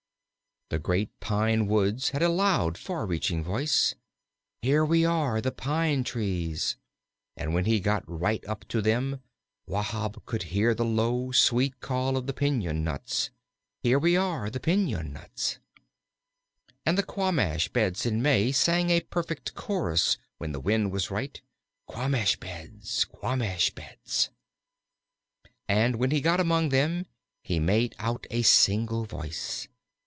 The great pine woods had a loud, far reaching voice, "Here are we, the Pine trees," but when he got right up to them Wahb could hear the low, sweet call of the piñon nuts, "Here are we, the Piñon nuts." And the quamash beds in May sang a perfect chorus when the wind was right: "Quamash beds, Quamash beds." And when he got among them he made out each single voice.